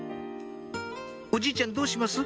おじいちゃんどうします？